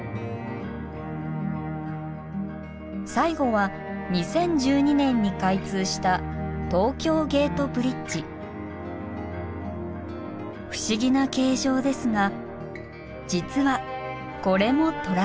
最後は２０１２年に開通した不思議な形状ですが実はこれもトラス橋。